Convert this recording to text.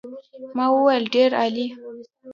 ما وویل ډېر عالي.